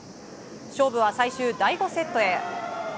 勝負は最終第５セットへ。